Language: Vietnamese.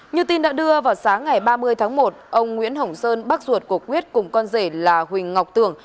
như tin đã đưa vào sáng ngày ba mươi tháng một ông nguyễn hồng sơn bác ruột của quyết cùng con rể là huỳnh ngọc tường